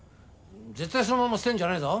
絶対そのまま捨てんじゃねえぞ。